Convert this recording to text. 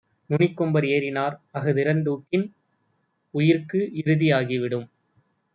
நுனிக்கொம்பர் ஏறினார். அஃதிறந் தூக்கின், உயிர்க்கு இறுதியாகிவிடும்.